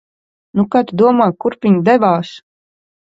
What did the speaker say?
Nu, kā tu domā, kurp viņa devās?